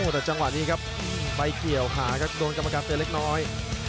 แต่จังหวะนี้ครับไปเกี่ยวขาครับโดนกรรมการเตือนเล็กน้อย